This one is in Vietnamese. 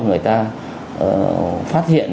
người ta phát hiện